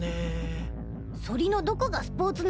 そりのどこがスポーツなのでぃすか。